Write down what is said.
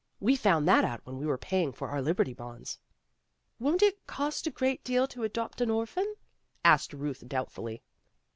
We found that out when we were paying for our Liberty Bonds." "Won't it cost a great deal to adopt an orphan?" asked Ruth doubtfully.